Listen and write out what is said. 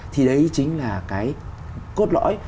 thì đấy chính là cái cốt lõi